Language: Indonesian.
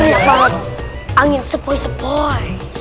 aku tuh lagi di pantai